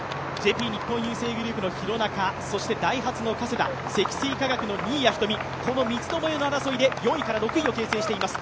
日本郵政グループの廣中、ダイハツの加世田、積水化学の新谷仁美、この三つどもえの争いで４位から６位を形成しています。